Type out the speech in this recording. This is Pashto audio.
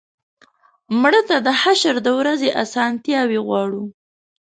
مړه ته د حشر د ورځې آسانتیا غواړو